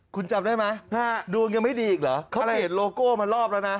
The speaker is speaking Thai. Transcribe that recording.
คุณจำได้ไหมดวงยังไม่ดีอีกเหรอเขาเปลี่ยนโลโก้มารอบแล้วนะ